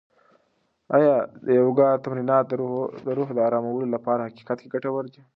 آیا د یوګا تمرینات د روح د ارامولو لپاره په حقیقت کې ګټور دي؟